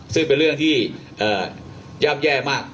ซึ่งเป็นเรื่องที่ย่ำแย่มาก